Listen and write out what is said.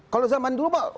kalau zaman dulu mah